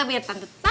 biar tante tahu